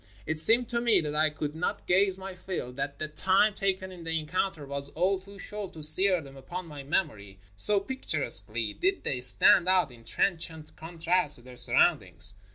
It seemed to me that I could not gaze my fill, that the time taken in the encounter was all too short to sear them upon my memory, so picturesquely did they stand out in trench ant contrast to their surroundings.